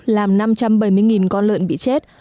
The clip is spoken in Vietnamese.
làm năm trăm bảy mươi con lợn bị chết